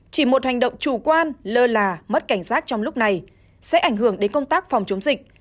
chỉ một hành động chủ quan lơ là mất cảnh giác trong lúc này sẽ ảnh hưởng đến công tác phòng chống dịch